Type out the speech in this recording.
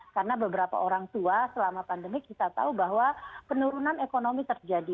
karena beberapa orang tua selama pandemi kita tahu bahwa penurunan ekonomi terjadi